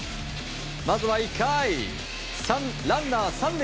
まずは１回、ランナー３塁。